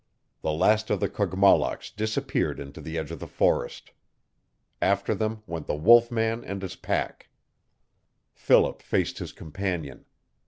The last of the Kogmollocks disappeared into the edge of the forest. After them went the wolf man and his pack. Philip faced his companion.